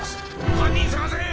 犯人捜せ！